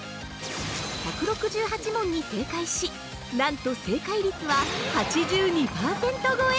１６８問に正解しなんと正解率は８２％超え！